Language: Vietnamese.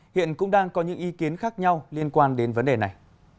hiện cũng đang có những ý kiến khác nhau liên quan đến vấn đề này